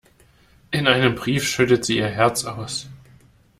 In einem Brief schüttet sie ihr Herz aus.